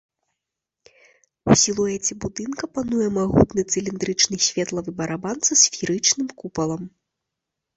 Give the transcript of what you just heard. У сілуэце будынка пануе магутны цыліндрычны светлавы барабан са сферычным купалам.